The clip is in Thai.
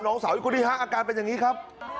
สาวอีกคนที่๕อาการเป็นอย่างนี้ครับ